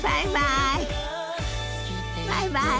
バイバイ！